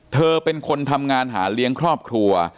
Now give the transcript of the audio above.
เธอเป็นคนทำงานหาเลี้ยงครอบครัว